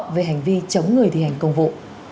về hành vi chống người thi hành công vụ